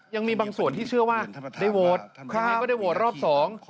ยังมีบางส่วนที่เชื่อว่าได้โหวตครั้งนี้ก็ได้โหวตรอบสอง